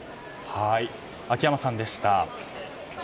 秋山さんでした。